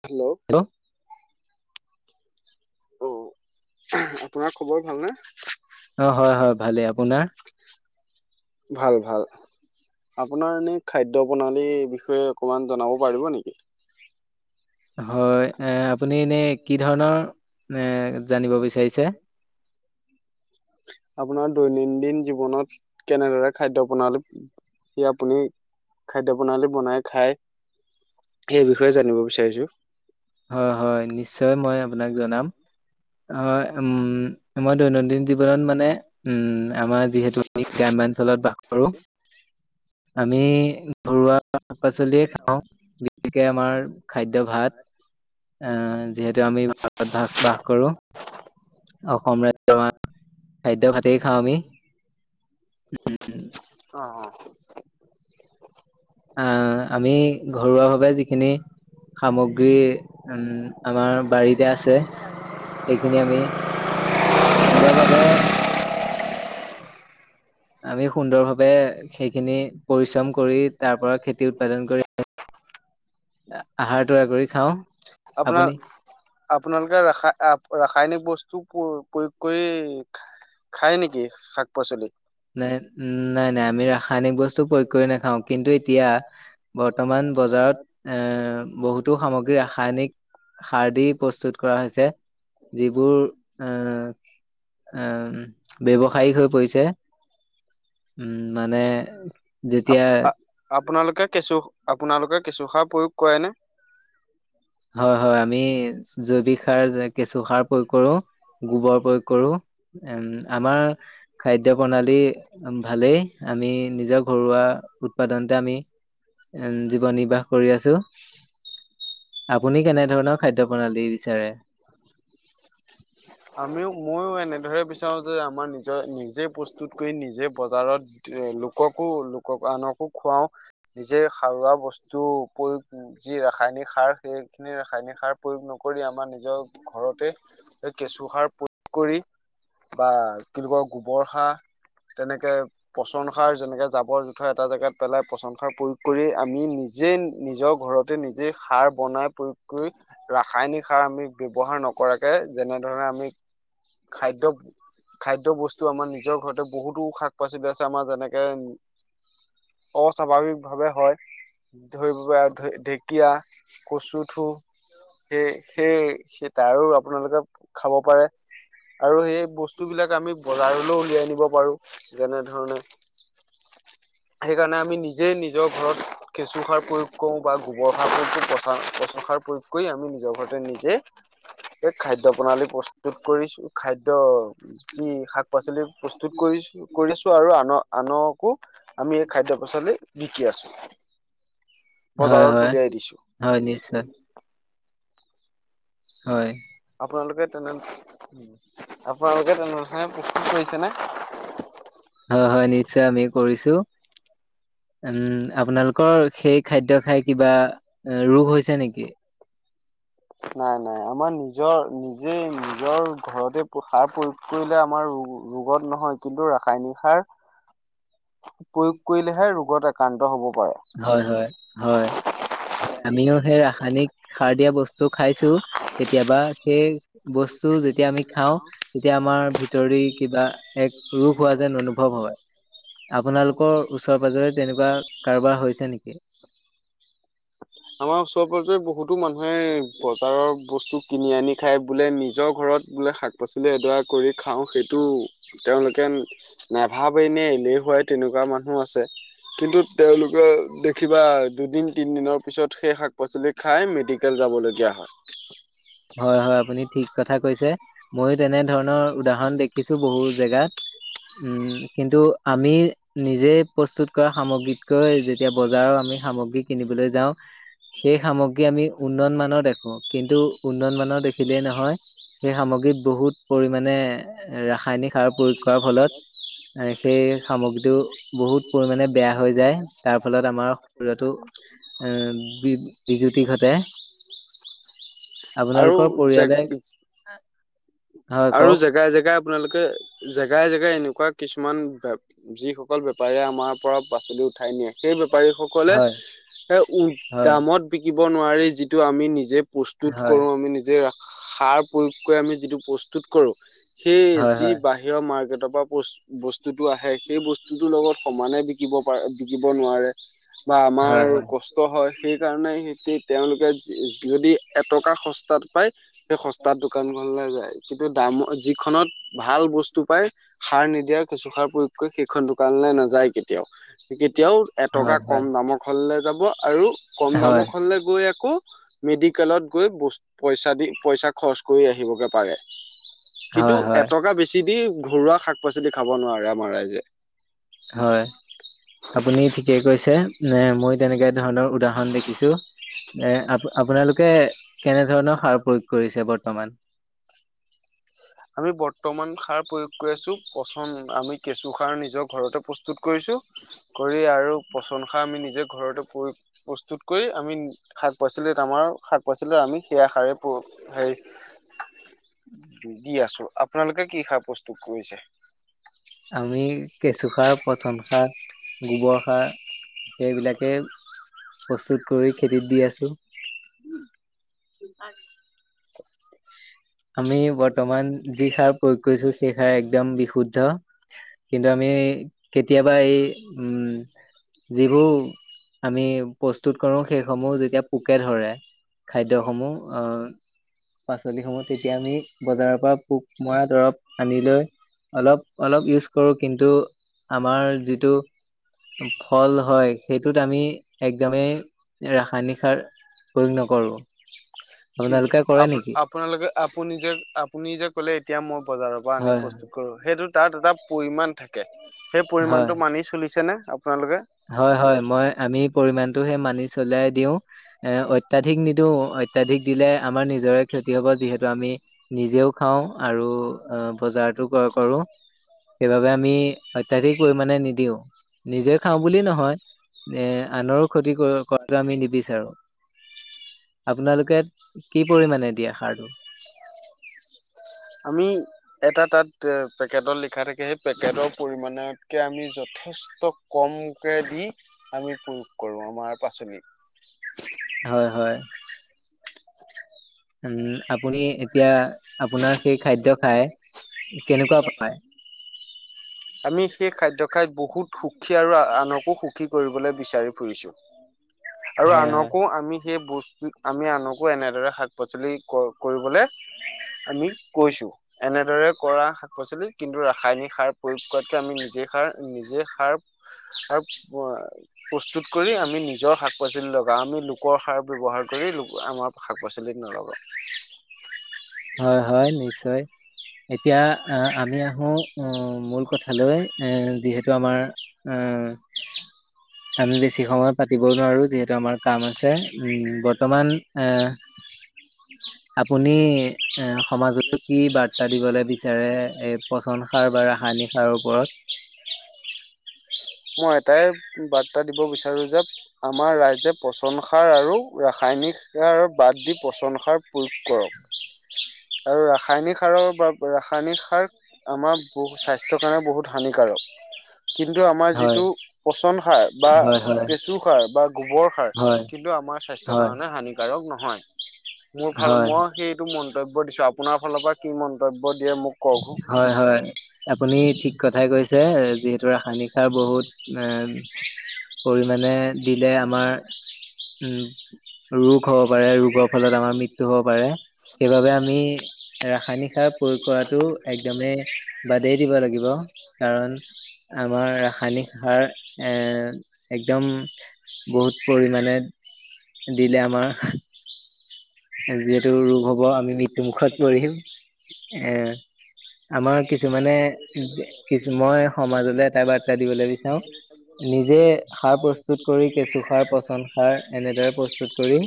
Hello! অ' আপোনাৰ খবৰ ভালনে? ভাল, ভাল। আপোনাৰ এনেই খাদ্য প্ৰণালীৰ বিষয়ে অকণমান জনাব পাৰিব নেকি? হয়, এ আপুনি এনেই কি ধৰণৰ এ জানিব বিচাৰিছে। [unintelligible] আপোনাৰ দৈনন্দিন জীৱনত কেনেদৰে খাদ্য প্ৰণালী কি আপুনি খাদ্য প্ৰণালী বনাই খায়। সেই বিষয়ে জানিব বিচাৰিছো। হয়, হয়। নিশ্চয় মই আপোনাক জনাম হয়, উম। অ' মই দৈনন্দিন জীৱনত মানে, উম আমাৰ যিহেতু আমি গ্ৰাম্যাঞ্চলত বাস কৰো আমি ঘৰুৱা শাক-পাচলিয়ে খাওঁ, গতিকে আমাৰ খাদ্য ভাত আহ যিহেতু আমি ভাৰত বাস, বাস কৰো। অসম ৰাজ্যৰ মানে খাদ্য ভাতেই খাওঁ আমি। অ', অ', অ'। আহ আমি ঘৰুৱা ভাৱে যিখিনি সামগ্ৰী উম, আমাৰ বাৰীতে আছে, সেইখিনি আমি অন্য ভাৱে আমি সুন্দৰ ভাৱে সেইখিনি পৰিশ্ৰম কৰি, তাৰ পৰা খেতি উৎপাদন কৰি আপোনাৰ আপোনালোকে ৰাসা, ৰাসায়নিক বস্তু প্ৰ-প্ৰয়োগ কৰি খাই নেকি শাক-পাচলি? নাই, নাই, নাই। আমি ৰাসায়নিক বস্তু প্ৰয়োগ কৰি নাখাওঁ, কিন্তু এতিয়া বৰ্তমান বজাৰত এ বহুতো সামগ্ৰী ৰাসায়নিক সাৰ দি প্ৰস্তুত কৰা হৈছে। যিবোৰ এ, এ ব্যৱসায়িক হৈ পৰিছে। উম, মানে যেতিয়া আপোনালোকে কেঁচু, আপোনালোকে কেঁচুসাৰ প্ৰয়োগ কৰে নে? হয় হয় আমি জৈৱিক সাৰ যে কেঁচু সাৰ প্ৰয়োগ কৰো, গোবৰ প্ৰয়োগ কৰো। উম, আমাৰ খাদ্যয় প্ৰণালী ভালেই আমি নিজৰ ঘৰুৱা তেনেকে আমি জীৱন নিৰ্বাহ কৰি আছো। আপুনি কেনে ধৰণৰ খাদ্য প্ৰণালী বিচাৰে? [unintelligible] আমিও ময়ো এনেদৰে বিচাৰোঁ যে, আমাৰ নিজে নিজে প্ৰস্তুত কৰি নিজে বজাৰত লোককো লোকক আনকো খুৱাও নিজে সাৰুৱা বস্তু প্ৰয়োগ যি ৰাসায়নিক সাৰ সেইখিনি ৰাসায়নিক সাৰ প্ৰয়োগ নকৰি আমাৰ নিজৰ ঘৰতে, এই কেঁচু সাৰ প্ৰয়োগ কৰি বা কি বুলি কয় গোবৰ সাৰ তেনেকে পচন সাৰ, যেনেকে জাবৰ-জোথৰ এটা জেগাত পেলাই পচন সাৰ প্ৰয়োগ কৰি আমি নিজে নিজক ঘৰতে নিজে সাৰ বনাই প্ৰয়োগ কৰি ৰাসায়নিক সাৰ আমি ব্যৱহাৰ নকৰাকৈ যেনেধৰণে আমি খাদ্য খাদ্য বস্তু আমাৰ নিজৰ ঘৰতে বহুতো শাক পাচলি আছে। আমাৰ যেনেকে অস্বাভাৱিকভাৱে হয় - [unintelligible] ঢেকীয়া, কচুথুৰ সেই সেই সেই তাৰো আপোনালোকে খাব পাৰে। আৰু এই বস্তু বিলাক আমি জাৰলৈ উলিয়াই নিব পাৰো, যেনে ধৰণে সেইকাৰণে আমি নি নিজে নিজৰ ঘৰত কেঁচু সাৰ প্ৰয়োগ কৰো বা [unintelligible] প্ৰয়োগ কৰি আমি নিজৰ ঘৰতে নিজে এই খাদ্য প্ৰণালী প্ৰস্তুত কৰিছো খাদ্য যি শাক-পাচলি প্ৰস্তুত কৰিছ কৰিছো আৰু আনক আনকো আমি এই খাদ্য পাচলি বিকি আছো। হয়, হয, হয় নিশ্চয়। আপোনালোকে তেনে, আপোনালোকে তেনেধণে প্ৰস্তুত কৰিছে নে? হয়, হয়, নিশ্চয় আমি কৰিছো। উম, আপোনালোকৰ সেই খাদ্য খাই কিবা ৰোগ হৈছে নেকি? [unintelligible] নাই, নাই আমাৰ নিজৰ নিজে নিজৰ ঘৰতে সাৰ প্ৰয়োগ কৰিলে আমাৰ ৰোগত নহয়, কিন্তু ৰাসায়নিক সাৰ প্ৰয়োগ কৰিলেহে ৰোগত আক্ৰান্ত হ'ব পাৰে। আমিও সেই ৰাসায়নিক সাৰ দিয়া বস্তু খাইছো। কেতিয়াবা সেই বস্তু যেতিয়া আমি খাওঁ। তেতিয়া আমাৰ ভিতৰে কিবা এক ৰোগ হোৱা যেন অনুভৱ হয়। আপোনালোকৰ ওচৰে পাজৰে তেনেকুৱা কাৰবাৰ হৈছে নেকি? আমাৰ ওচৰ পাজৰে বহুতো মানুহে বজাৰৰ বস্তু কিনি আনি খায় বোলে, নিজৰ ঘৰত বোলে শাক শাক-পাচলি এডৰা কৰি খাওঁ সেইটো তেওঁলোকে নাভাবেইনে হুৱাই তেনেকুৱা মানুহো আছে, কিন্তু তেওঁলোকে কিবা দুদিন, তিনদিনৰ পিছত সেই শাক-পাচলি খাই মেডিকেল যাবলগীয়া হয়। হয়, হয় আপুনি ঠিক কথা কৈছে, ময়ো তেনে ধৰণৰ উদাহৰণ দেখিছো বহু জেগাত। উম, কিন্তু আমি নিজে প্ৰস্তুত কৰা সামগ্ৰীতকৈ যেতিয়া বজাৰৰ আমি সামগ্ৰী কিনিবলৈ যাওঁ, সেই সামগ্ৰী আমি উন্নয়ন মানৰ দেখো কিন্তু- উন্নয়ন মানৰ দেখিলেই নহয় সেই সামগ্ৰীত বহুত পৰিমাণে ৰাসায়নিক সাৰ প্ৰয়োগ- খোৱাৰ ফলত- এ সেই সামগ্ৰীতটো বহুত পৰিমাণে বেয়া হৈ যায় তাৰ ফলত আমাৰ- ৰাটো এ বি বিজুতি ঘটে। [unintelligible] আপোনালোকৰ পৰিয়ালে। আৰু জেগাই জেগাই আপোনালোকে জেগাই জেগাই এনেকুৱা কিছুমান। যিসকল বেপাৰীয়ে আমাৰ পৰা পাচলি উঠাই নিয়ে সেই বেপাৰী সকলে এ উফ দামত বিকিব নোৱাৰি যিটো আমি নিজে, প্ৰস্তুত কৰো আমি নিজে সাৰ প্ৰয়োগ কৰি আমি যিটো প্ৰস্তুত কৰো। সেই, যি বাহিৰৰ মাৰ্কেটৰ পৰা বছ বস্তুতো আহে সেই বস্তুটোৰ লগত সমানে বি বিকিব পাৰে, বিকিব নোৱাৰে বা আমাৰ ক- হয়। সেইকাৰণে সেই তেওঁলোকে যদি এটকা সস্তাত পায়, - সেই সস্তাৰ দোকানখনলৈ যায়। কিন্তু দামত যিখনত ভাল বস্তু পায়- সাৰ নিদিয়া, ৰ কিছু সাৰ প্ৰয়োগ কৰি সেইখন দোকানলৈ নাযায় কেতিয়াও। তেতিয়াও এটকা কম দামৰ ঘলে যাব, আৰু কম দামৰ ঘলে গৈ আকৌ মেডিকেলত গৈ পইচা দি, পইচা খৰচ কৰি আহিবগে পাৰে। কিন্তু এটকা বেছি দি ঘৰুৱা শাক পাচলি খাব নোৱাৰে আমাৰ ৰাইজে। হয় আপুনি ঠিকেই কৈছে, এ মই তেনেকে ধৰণৰ উদাহৰণ দেখিছোঁ। এ আ আপোনালোকে কেনে ধৰণৰ সাৰ প্ৰয়োগ কৰিছে বৰ্তমান? আমি বৰ্তমান সাৰ প্ৰয়োগ কৰি আছো, পচন আমি কেঁচু সাৰ নিজৰ ঘৰতে প্ৰস্তু- প্ৰস্তুত কৰিছো কৰি আৰু প্ৰচনসা আমি নিজে ঘৰতে প্ৰয়োগ প্ৰস্তুত কৰি, আমি শাক পাচলি, আমাৰ শাক পাচলি আমি সেয়া, সাৰে হেৰি দি আছো, আপোনালোকে কি সাৰ প্ৰস্তুত কৰিছে? আমি কেঁচুসাৰ, পচন সাৰ, গোৱৰ সাৰ সেইবিলাকে। প্ৰস্তুত কৰি, খেতিত দি আছোঁ। [inaudible] [inaudible] কিন্তু আমি কেতিয়াবা এই উম, যিবোৰ- আমি প্ৰস্তুত কৰো, সেইসমূহ যেতিয়া পোকে ধৰে- খাদ্যসমূহ আহ, পাচলিসমূহ তেতিয়া এতিয়া আমি বজাৰৰ পৰা পোক মৰা দৰৱ আানি লৈ অলপ চলপ এইতো যিটো আমাৰ যিটো ফল হয়, সেইটোত আমি একদমেই এই ৰাসায়নিক সাৰ প্ৰয়োগ নকৰো। কিন্তু আপোনালোকে আপুনি যে আপুনি যে কলে এতিয়া মই বজাৰৰ পৰা আনি প্ৰস্তুত- কৰো সেইটো তাত এটা পৰিমাণ থাকে, সেই পৰিমাণটো মানি চলিছে নে আপোনালোকে? হয়, হয়, মই, আমি পৰিমণটো সেই মানি চলিয়াই দিওঁ, এ অত্যাধিক নিদিওঁ, অ অত্যাধিক দিলে, আমাৰ নিজৰে ক্ষতি হ'ব। যিহেতু আমি নিজেও খাওঁ আৰু অ বজাৰতো ক কৰো সেইবাবে আমি অত্যাধিক পৰিমাণে নিদিও নিজে খাওঁ বুলিয়ে নহয় এ আনৰো ক্ষতি ক কৰা আমি নিবিচাৰো আপোনালোকে কি পৰিমানে দিয়া সাৰটো আমি- এটা তাত পেকেটৰ লিখা থাকে, সেই পেকেটৰ পৰিমণতকে আমি যথেষ্ট কমকে দি আমি প্ৰয়োগ কৰো আমাৰ পাচলি হয়, হয়। [unintelligible] আমি সেই - খাদ্য খাই বহুত, সুখী আৰু আনকো সুখী কৰিবলৈ বিচাৰি ফুৰিছোঁ। আৰু আনকো আমি সেই বস্তু, আমি আনকো এনেদৰে শাক -পাচলি- কৰ কৰিবলে আমি কৈছোঁ, এনেদৰে কৰা শাক পাচলি কিন্তু ৰাসায়নিক সাৰ প্ৰয়োগ কৰাতকে আমি নিজে সাৰ নিজে সাৰ স- প্ৰস্তুত কৰি আমি নি- জৰ শাক পাচলি লগাওঁ আমি লোকৰ সাৰ ব্যৱহাৰ কৰি আমাৰ শাক পাচলিত নলগাওঁ। হয় হয় হয় [unintelligible] [inaudible] আমি বেছি সময় পাতিবও নোৱাৰো যিহেতু আমাৰ কাম আছে। উম বৰ্তমান আ- আপুনি- এ সমাজত কি বাৰ্তা দিবলৈ বিচাৰে এই পচন সাৰ বা ৰাসায়নিক সাৰৰ ওপৰত। মই এটাই বাৰ্তা দিব বিচাৰো যে আমাৰ ৰাইজে প্ৰচ- পচন সাৰ আৰু ৰাসায়নিক সাৰ বাদ দি পচন সাৰ প্ৰয়োগ কৰক। আৰু ৰাসায়নিক সাৰৰ বা ৰাসায়নিক সাৰ- আমাৰ বহু স্বাস্থ্যৰ কাৰণে বহুত হানিকাৰক। কিন্তু আমাৰ যিটো পচন সাৰ বা কেঁচু সাৰ বা গোবৰ সাৰ- কিন্তু আমাৰ স্বাস্থ্যৰ কাৰণে হানিকাৰক নহয়। মোৰ ফাল মই সেইটো মন্তব্য দিছোঁ আপোনাৰ ফালৰ পৰা কি মন্তব্য দিয়ে মোক কওক? আপুনি ঠিক কথাই কৈছে যিহেতু ৰাসায়নিক সাৰ বহুত এম- পৰিমাণে দিলে আমাৰ উম- [unintelligible] ৰাসায়নিক সাৰ প্ৰয়োগ কৰাতটো একদমেই- বাদেই দিব লাগিব কাৰণ আমাৰ ৰাসায়নিক সাৰ এ- একদম বহুত পৰিমাণে দিলে আমাৰ- যিহেতু ৰোগ হব আমি মৃত্যু মুুখত পৰিম এ আমাৰ কিছু- মানে কিছু মই সমাজলৈ এটাই বাৰ্তা দিবলৈ বিচাৰো নিজে সাৰ প্ৰচ- ত্তত কৰি কেঁচু সাৰ পচন সাৰ এনেদৰে প্ৰস্তুত কৰি-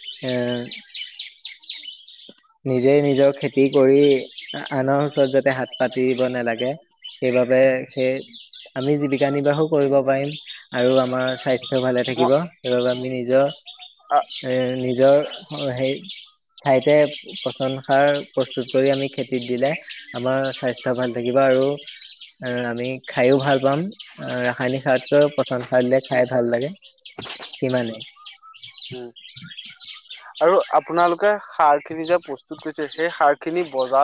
[unintelligible] নিজেই নিজৰ খেতি কৰি আনৰ ওচৰত যাতে হাত- [unintelligible] [unintelligible] [inaudible] ঠাইতে পচন সাৰ প্ৰস্তুত কৰি আমি খেতিত দিলে আমাৰ- স্বাস্থ্য ভাল থাকিব আৰু আমি খাইো ভাল পাম ৰাসায়নিক সাৰতকৈ- পচন্দ সাৰ দিলে খাই ভাল লাগে সিমানেই। উম আৰু আপোনালোকে সাৰ খিনি যে পৰ- ত্তত কৰিছে সেই সাৰ খিনি বজাৰ-